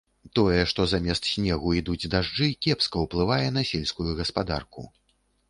Тое, што замест снегу ідуць дажджы, кепска ўплывае на сельскую гаспадарку.